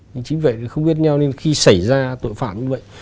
nhưng chính vậy không biết nhau nên khi xảy ra tội phạm như vậy